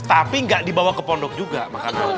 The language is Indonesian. tapi ga dibawa ke pondok juga makanannya